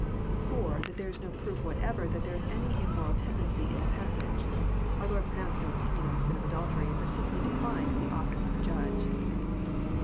(4) That there is no proof whatever that there is any im moral tendency in the passage. Our Lord pronounced no opin ion on the sin of adultery, but simply declined the office of a Judge.